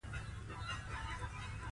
ښخ دي ارمانونه، نظر وکړه شاوخواته